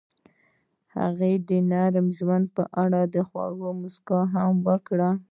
هغې د نرم ژوند په اړه خوږه موسکا هم وکړه.